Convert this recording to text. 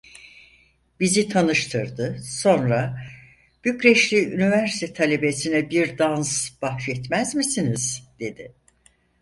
Bizi tanıştırdı, sonra: 'Bükreşli üniversite talebesine bir dans bahşetmez misiniz?' dedi.